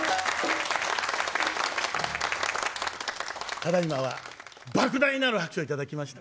ただいまはばく大なる拍手を頂きました。